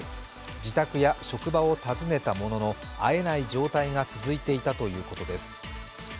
自宅や職場を訪ねたものの会えない状態が続いていたということです。